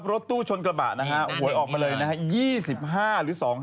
ศพรถตู้ชนกระบะหวยออกไปเลย๒๕หรือ๒๕